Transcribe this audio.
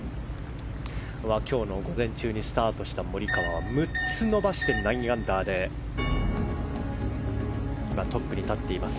今日の午前中にスタートしたモリカワは６つ伸ばして９アンダーでトップに立っています。